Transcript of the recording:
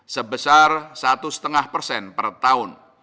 sebesar satu lima persen per tahun